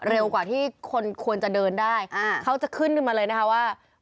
เร็วกว่าที่คนควรจะเดินได้เขาจะขึ้นขึ้นมาเลยนะคะว่า